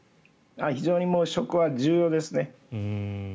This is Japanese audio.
非常に食は重要ですね。